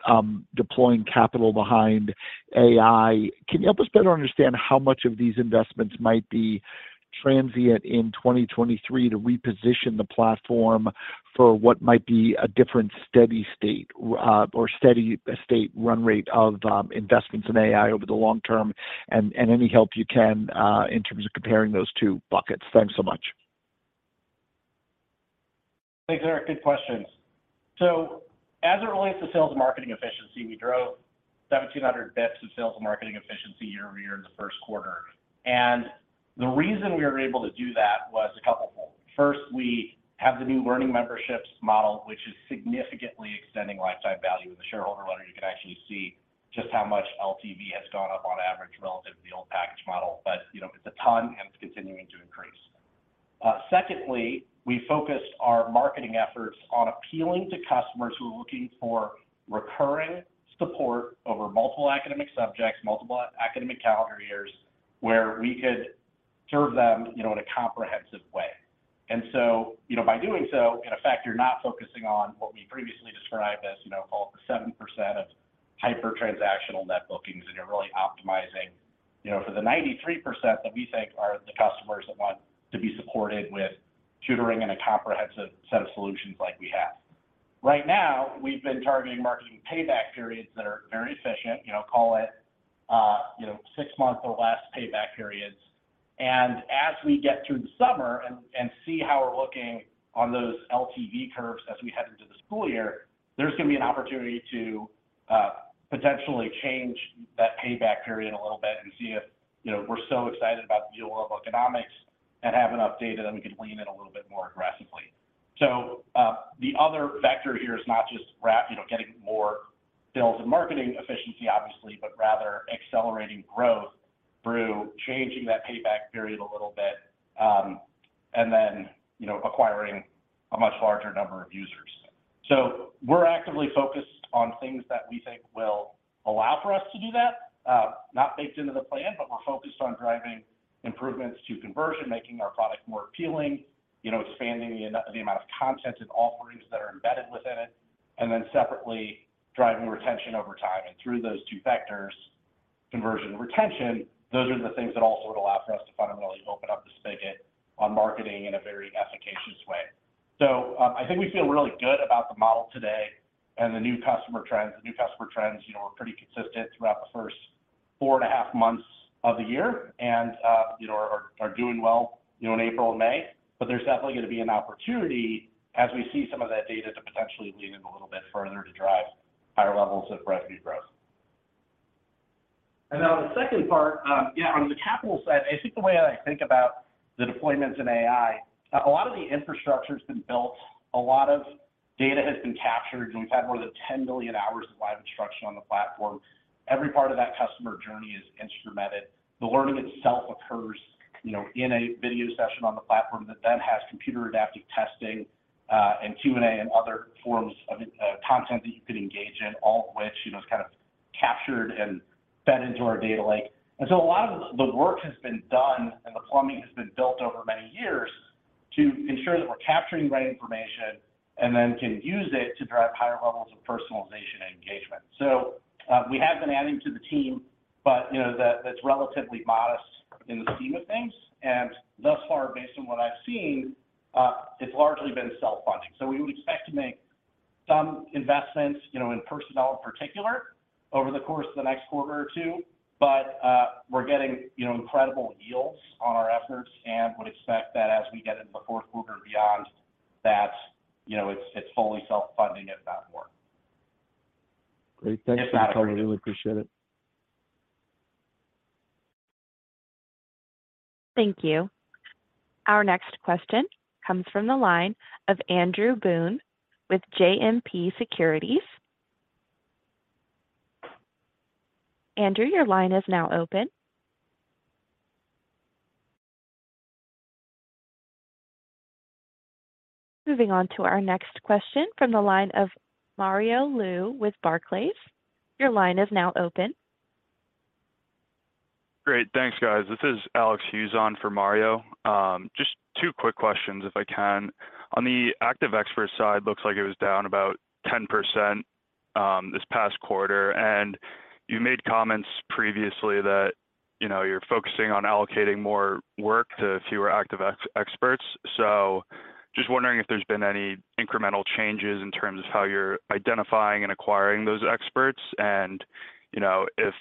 deploying capital behind AI. Can you help us better understand how much of these investments might be transient in 2023 to reposition the platform for what might be a different steady state, or steady state run rate of, investments in AI over the long term? Any help you can, in terms of comparing those two buckets. Thanks so much. Thanks, Eric. Good questions. As it relates to sales and marketing efficiency, we drove 1,700 basis points in sales and marketing efficiency year-over-year in the Q1. The reason we were able to do that was a couple fold. First, we have the new Learning Memberships model, which is significantly extending lifetime value. In the shareholder letter, you can actually see just how much LTV has gone up on average relative to the old package model. You know, it's a ton, and it's continuing to increase. Secondly, we focused our marketing efforts on appealing to customers who are looking for recurring support over multiple academic subjects, multiple academic calendar years, where we could serve them, you know, in a comprehensive way. You know, by doing so, in effect, you're not focusing on what we previously described as, you know, call it the 7% of hyper-transactional net bookings, and you're really optimizing, you know, for the 93% that we think are the customers that want to be supported with tutoring in a comprehensive set of solutions like we have. Right now, we've been targeting marketing payback periods that are very efficient. You know, call it, you know, 6 months or less payback periods. As we get through the summer and see how we're looking on those LTV curves as we head into the school year, there's gonna be an opportunity to potentially change that payback period a little bit and see if, you know, we're so excited about the economics and have enough data that we can lean in a little bit more aggressively. The other factor here is not just you know, getting more sales and marketing efficiency obviously, but rather accelerating growth through changing that payback period a little bit, and then, you know, acquiring a much larger number of users. We're actively focused on things that we think will allow for us to do that, not baked into the plan, but we're focused on driving improvements to conversion, making our product more appealing, you know, expanding the amount of content and offerings that are embedded within it, and then separately driving retention over time. Through those two vectors, conversion and retention, those are the things that also would allow for us to fundamentally open up the spigot on marketing in a very efficacious way. I think we feel really good about the model today and the new customer trends. The new customer trends, you know, are pretty consistent throughout the first four and a half months of the year and, you know, are doing well, you know, in April and May. There's definitely gonna be an opportunity as we see some of that data to potentially lean in a little bit further to drive higher levels of revenue growth. Now the second part, on the capital side, I think the way I think about the deployments in AI, a lot of the infrastructure's been built, a lot of data has been captured, and we've had more than 10 million hours of live instruction on the platform. Every part of that customer journey is instrumented. The learning itself occurs, you know, in a video session on the platform that then has computer-adaptive testing, and Q&A and other forms of content that you can engage in, all of which, you know, is kind of captured and fed into our data lake. A lot of the work has been done and the plumbing has been built over many years to ensure that we're capturing the right information and then can use it to drive higher levels of personalization and engagement. We have been adding to the team, but, you know, that's relatively modest in the scheme of things. Thus far, based on what I've seen, it's largely been self-funding. We would expect to make some investments, you know, in personnel in particular over the course of the next quarter or two. We're getting, you know, incredible yields on our efforts and would expect that as we get into the fourth quarter and beyond that, you know, it's fully self-funding at that point. Great. Thanks, Chuck. If not already. I really appreciate it. Thank you. Our next question comes from the line of Andrew Boone with JMP Securities. Andrew, your line is now open. Moving on to our next question from the line of Mario Lu with Barclays. Your line is now open. Great. Thanks, guys. This is Alex Hughes for Mario. just two quick questions, if I can. On the Active Expert side, looks like it was down about 10%, this past quarter. You made comments previously that, you know, you're focusing on allocating more work to fewer Active Experts. So just wondering if there's been any incremental changes in terms of how you're identifying and acquiring those experts, and, you know, if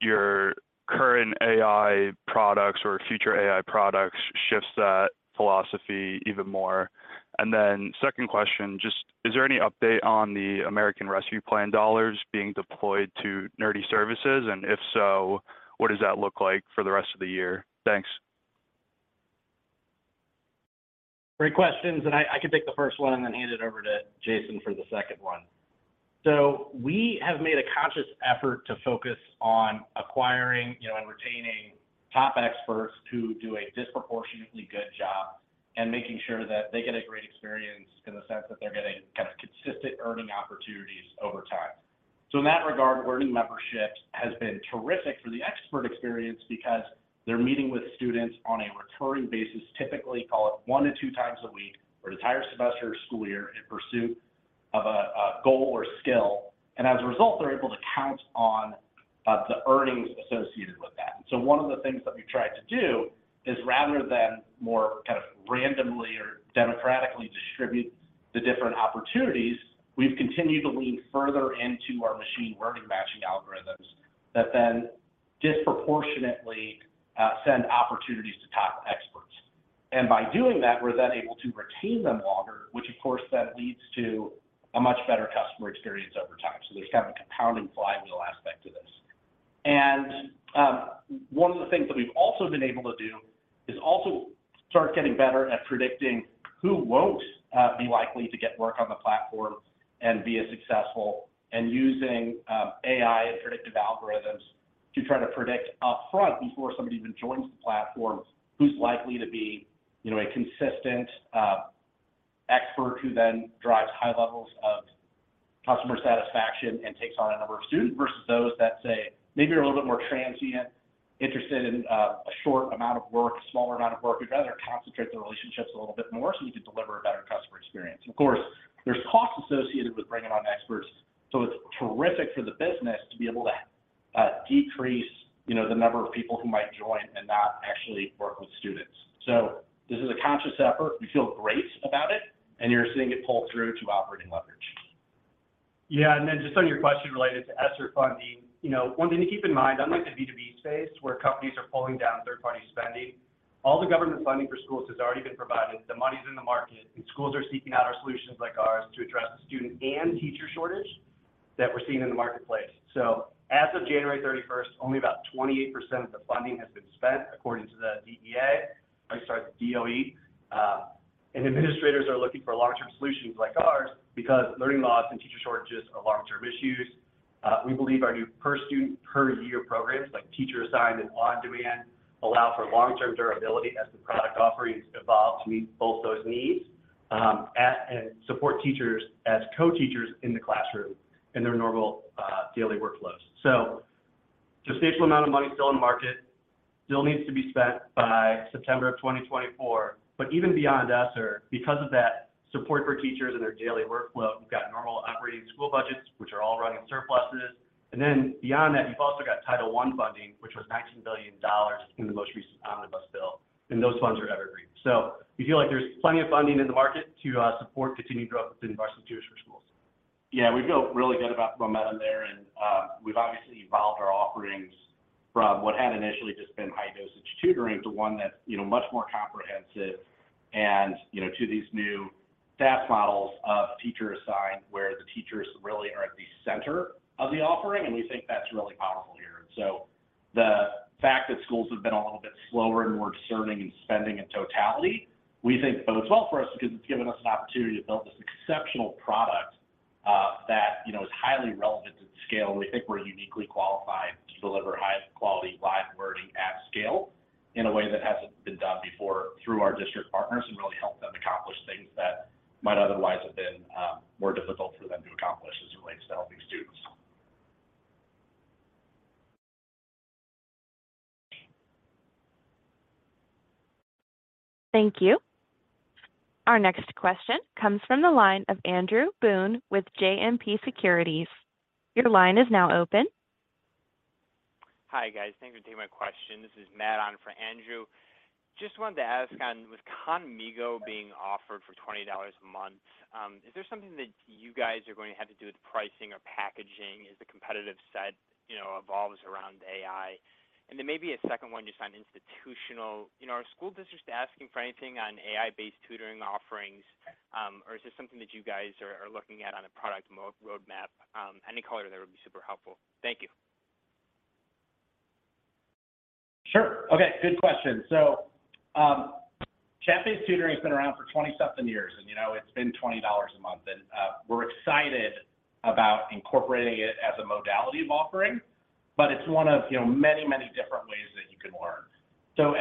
your current AI products or future AI products shifts that philosophy even more. Second question, just is there any update on the American Rescue Plan dollars being deployed to Nerdy services? If so, what does that look like for the rest of the year? Thanks. Great questions, and I-I can take the first one and then hand it over to Jason for the second one. We have made a conscious effort to focus on acquiring, you know, and retaining top experts who do a disproportionately good job and making sure that they get a great experience in the sense that they're getting kind of consistent earning opportunities over time. In that regard, Learning Memberships has been terrific for the expert experience because they're meeting with students on a recurring basis, typically call it 1 to 2 times a week for an entire semester or school year in pursuit of a goal or skill. As a result, they're able to count on the earnings associated with that. One of the things that we've tried to do is rather than more kind of randomly or democratically distribute the different opportunities, we've continued to lean further into our machine learning matching algorithms that then disproportionately send opportunities to top experts. By doing that, we're then able to retain them longer, which of course then leads to a much better customer experience over time. There's kind of a compounding flywheel aspect to this. One of the things that we've also been able to do is also start getting better at predicting who won't be likely to get work on the platform and be as successful and using AI and predictive algorithms to try to predict upfront before somebody even joins the platform who's likely to be, you know, a consistent expert who then drives high levels of customer satisfaction and takes on a number of students versus those that say maybe are a little bit more transient, interested in a short amount of work, a smaller amount of work. We'd rather concentrate the relationships a little bit more so we can deliver a better customer experience. Of course, there's costs associated with bringing on experts, so it's terrific for the business to be able to decrease, you know, the number of people who might join and not actually work with students. This is a conscious effort. We feel great about it, and you're seeing it pull through to operating leverage. Yeah. Then just on your question related to ESSER funding. You know, one thing to keep in mind, unlike the B2B space where companies are pulling down third-party spending, all the government funding for schools has already been provided. The money's in the market, and schools are seeking out our solutions like ours to address the student and teacher shortage that we're seeing in the marketplace. As of January 31st, only about 28% of the funding has been spent according to the DOE. And administrators are looking for long-term solutions like ours because learning loss and teacher shortages are long-term issues. We believe our new per-student, per-year programs, like Teacher-Assigned and on-demand, allow for long-term durability as the product offerings evolve to meet both those needs and support teachers as co-teachers in the classroom in their normal daily workflows. Substantial amount of money still in the market, still needs to be spent by September of 2024. Even beyond ESSER, because of that support for teachers and their daily workflow, we've got normal operating school budgets, which are all running surpluses. Beyond that, you've also got Title I funding, which was $19 billion in the most recent Omnibus Bill, and those funds are evergreen. We feel like there's plenty of funding in the market to support continued growth within Varsity Tutors for Schools. Yeah, we feel really good about the momentum there, and we've obviously evolved our offerings from what had initially just been high-dosage tutoring to one that's, you know, much more comprehensive and, you know, to these new SaaS models of Teacher-Assigned, where the teachers really are at the center of the offering, and we think that's really powerful here. The fact that schools have been a little bit slower in order serving and spending in totality, we think, but it's well for us because it's given us an opportunity to build this exceptional product, that, you know, is highly relevant at scale. We think we're uniquely qualified to deliver highest quality live learning at scale in a way that hasn't been done before through our district partners and really help them accomplish things that might otherwise have been more difficult for them to accomplish as it relates to helping students. Thank you. Our next question comes from the line of Andrew Boone with JMP Securities. Your line is now open. Hi, guys. Thanks for taking my question. This is Matt on for Andrew. Just wanted to ask on with Khanmigo being offered for $20 a month, is there something that you guys are going to have to do with pricing or packaging as the competitive set, you know, evolves around AI? Maybe a second one just on institutional. You know, are school districts asking for anything on AI-based tutoring offerings, or is this something that you guys are looking at on a product roadmap? Any color there would be super helpful. Thank you. Sure. Okay, good question. Chat-based tutoring has been around for 20-something years and, you know, it's been $20 a month. We're excited about incorporating it as a modality of offering, but it's one of, you know, many, many different ways that you can learn.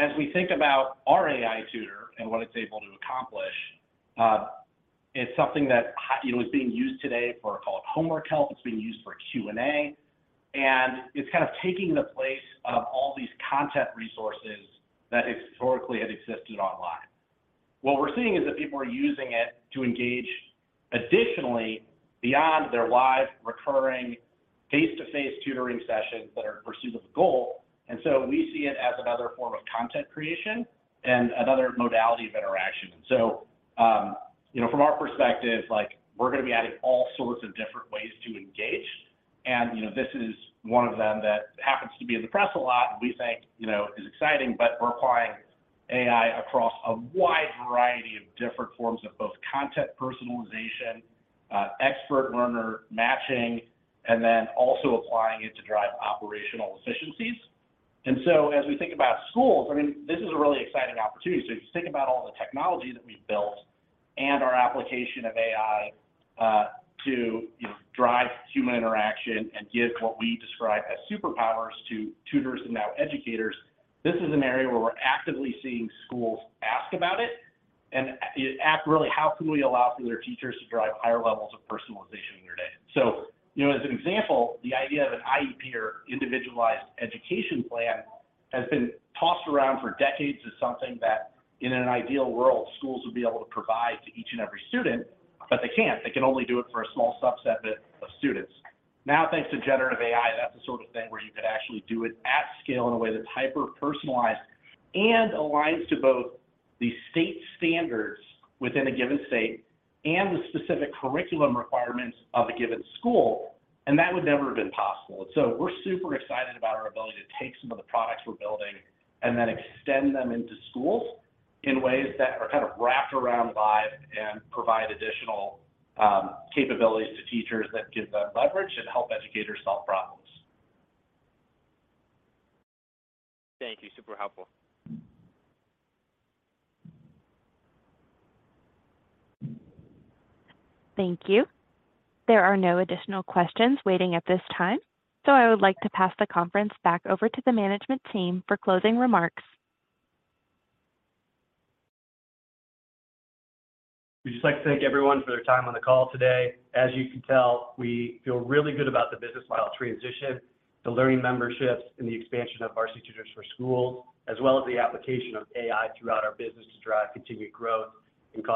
As we think about our AI tutor and what it's able to accomplish, it's something that, you know, is being used today for call it homework help, it's being used for Q&A, and it's kind of taking the place of all these content resources that historically had existed online. What we're seeing is that people are using it to engage additionally beyond their live, recurring, face-to-face tutoring sessions that are in pursuit of a goal. We see it as another form of content creation and another modality of interaction. you know, from our perspective, like, we're gonna be adding all sorts of different ways to engage. you know, this is one of them that happens to be in the press a lot, and we think, you know, is exciting, but we're applying AI across a wide variety of different forms of both content personalization, expert learner matching, and then also applying it to drive operational efficiencies. as we think about schools, I mean, this is a really exciting opportunity. If you think about all the technology that we've built and our application of AI, to, you know, drive human interaction and give what we describe as superpowers to tutors and now educators, this is an area where we're actively seeing schools ask about it and really how can we allow for their teachers to drive higher levels of personalization in their day. You know, as an example, the idea of an IEP or individualized education plan has been tossed around for decades as something that in an ideal world, schools would be able to provide to each and every student, but they can't. They can only do it for a small subset of students. Thanks to generative AI, that's the sort of thing where you could actually do it at scale in a way that's hyper-personalized and aligns to both the state standards within a given state and the specific curriculum requirements of a given school, and that would never have been possible. We're super excited about our ability to take some of the products we're building and then extend them into schools in ways that are kind of wrapped around live and provide additional capabilities to teachers that give them leverage and help educators solve problems. Thank you. Super helpful. Thank you. There are no additional questions waiting at this time. I would like to pass the conference back over to the management team for closing remarks. We'd just like to thank everyone for their time on the call today. As you can tell, we feel really good about the business model transition, the Learning Memberships, and the expansion of Varsity Tutors for Schools, as well as the application of AI throughout our business to drive continued growth.